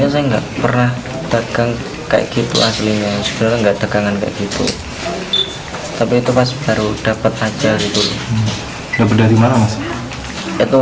sebenarnya elang ini tidak berada di mana